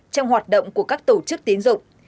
trong hoạt động của các tổ chức tiến dụng